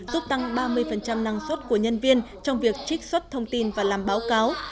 giúp tăng ba mươi năng suất của nhân viên trong việc trích xuất thông tin và làm báo cáo